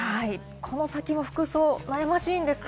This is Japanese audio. この先も服装、悩ましいです。